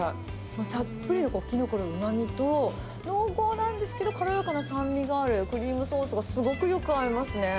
たっぷりのきのこのうまみと、濃厚なんですけど、軽やかな酸味があるクリームソースがすごくよく合いますね。